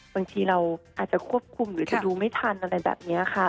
บางทีเราอาจจะควบคุมหรือจะดูไม่ทันอะไรแบบนี้ค่ะ